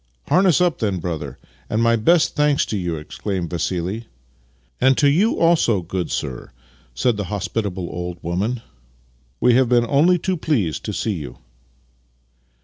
" Harness up, then, brother, and my best thanks to you," exclaimed Vassili. " And to you also, good sir," said the hospitable old woman. " We have been only too pleased to see you."